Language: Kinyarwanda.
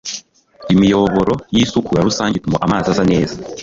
imiyoboro y'isukura rusange ituma amazi aza neza